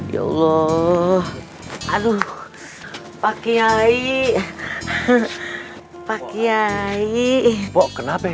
ya allah aduh pakai pakai